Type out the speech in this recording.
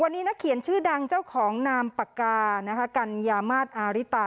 วันนี้นักเขียนชื่อดังเจ้าของนามปากกานะคะกัญญามาศอาริตา